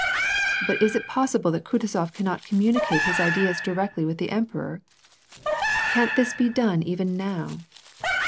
"But is it possible that Kutuzof cannot communicate his ideas directly with the emperor? Can't this be done even now